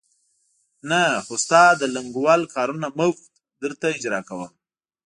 نه، خو ستا د لنګول کارونه مفت درته اجرا کوم.